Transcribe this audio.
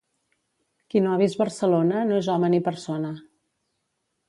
Qui no ha vist Barcelona no és home ni persona.